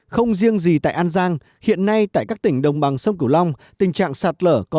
không riêng gì tại an giang hiện nay tại các tỉnh đồng bằng sông cửu long tình trạng sạt lở có